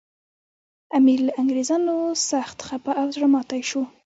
امیر له انګریزانو سخت خپه او زړه ماتي شو.